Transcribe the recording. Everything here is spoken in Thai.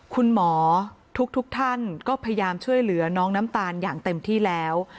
คุณหมอทุกท่านก็พยายามช่วยเหลือน้องน้ำตาลอย่างเต็มที่แล้ว